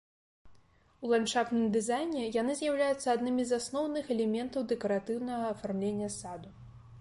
У ландшафтным дызайне яны з'яўляюцца аднымі з асноўных элементаў дэкаратыўнага афармлення саду.